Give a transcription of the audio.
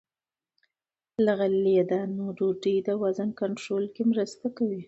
له غلې- دانو ډوډۍ د وزن کنټرول کې مرسته کوي.